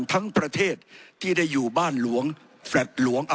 ผมจะขออนุญาตให้ท่านอาจารย์วิทยุซึ่งรู้เรื่องกฎหมายดีเป็นผู้ชี้แจงนะครับ